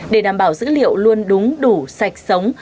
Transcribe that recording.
để đảm bảo dữ liệu luôn đúng đủ sạch sống